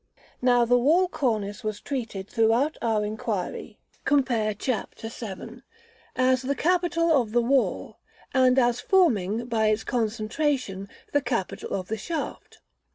Now the wall cornice was treated throughout our enquiry (compare Chapter VII. § V.) as the capital of the wall, and as forming, by its concentration, the capital of the shaft.